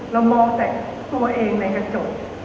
เรามองแต่ตัวเองในกระจก